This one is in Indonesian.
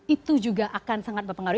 itu juga akan sangat berpengaruhi